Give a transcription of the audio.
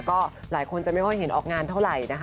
ก็หลายคนจะไม่ค่อยเห็นออกงานเท่าไหร่นะคะ